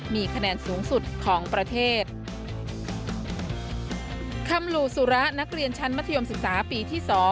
ภูระนักเรียนชั้นมัธยมศึกษาปีที่๒